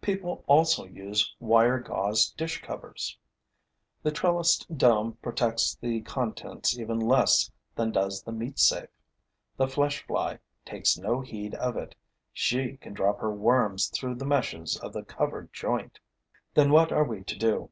People also use wire gauze dish covers. The trellised dome protects the contents even less than does the meat safe. The flesh fly takes no heed of it. She can drop her worms through the meshes on the covered joint. Then what are we to do?